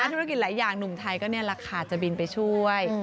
ธุรกิจหลายอย่างหนุ่มไทยก็นี่แหละค่ะจะบินไปช่วย